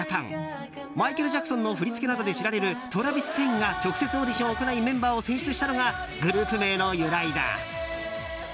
マイケル・ジャクソンの振り付けなどで知られるトラヴィス・ペインが直接オーディションを行いメンバーを選出したのがグループ名の由来だ。